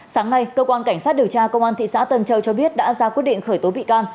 sáng nay cơ quan cảnh sát điều tra công an thị xã tân châu cho biết đã ra quyết định khởi tố bị can